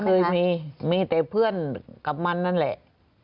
เคยมีมีแต่เพื่อนกับมันนั่นแหละ